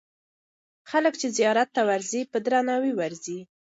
خلک چې زیارت ته ورځي، په درناوي ورځي.